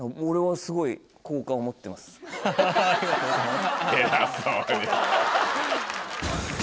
ありがとうございます。